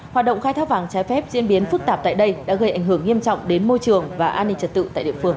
hoạt động khai thác vàng trái phép diễn biến phức tạp tại đây đã gây ảnh hưởng nghiêm trọng đến môi trường và an ninh trật tự tại địa phương